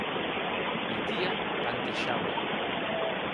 Mitia panteishaue.